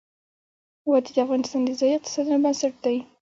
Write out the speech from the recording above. وادي د افغانستان د ځایي اقتصادونو بنسټ دی.